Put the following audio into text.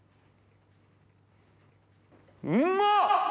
うまっ！